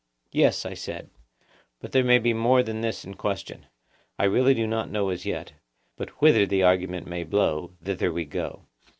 Yes, I said; but there may be more than this in question: I really do not know as yet, but whither the argument may blow, thither we go.